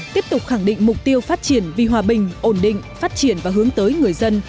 tiếp tục khẳng định mục tiêu phát triển vì hòa bình ổn định phát triển và hướng tới người dân